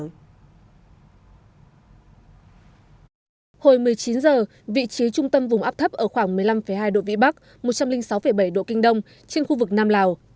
hồi một mươi chín h vị trí trung tâm vùng áp thấp ở khoảng một mươi năm hai độ vĩ bắc một trăm linh sáu bảy độ kinh đông trên khu vực nam lào